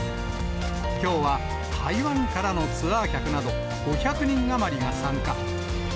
きょうは台湾からのツアー客など５００人余りが参加。